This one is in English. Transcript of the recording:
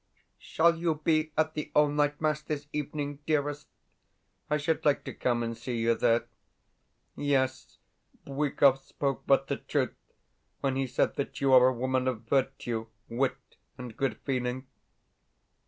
Shall you be at the all night Mass this evening, dearest? I should like to come and see you there. Yes, Bwikov spoke but the truth when he said that you are a woman of virtue, wit, and good feeling.